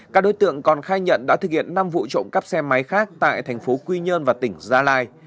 các đối tượng còn khai nhận đã thực hiện năm vụ trộm cắp xe máy khác tại thành phố quy nhơn và tỉnh gia lai